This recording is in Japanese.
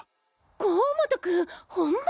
光本君ホンマ